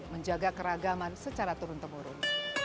menjaga keragaman secara turun temurun